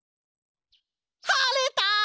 はれた！